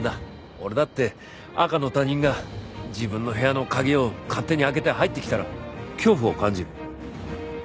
俺だって赤の他人が自分の部屋の鍵を勝手に開けて入ってきたら恐怖を感じる。